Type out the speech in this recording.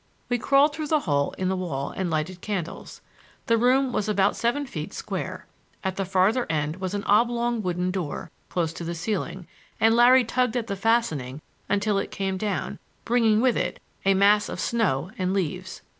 We crawled through the hole in the wall and lighted candles. The room was about seven feet square. At the farther end was an oblong wooden door, close to the ceiling, and Larry tugged at the fastening until it came down, bringing with it a mass of snow and leaves.